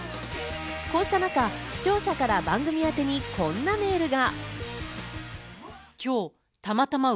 こうした中、視聴者から番組宛てに、こんなメールが。